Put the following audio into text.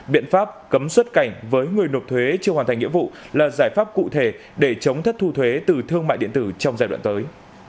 biện pháp cấm xuất cảnh với người nộp thuế chưa hoàn thành nhiệm vụ là giải pháp cụ thể để chống thất thu thuế từ thương mại điện tử trong giai đoạn tới